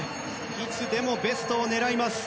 いつでもベストを狙います。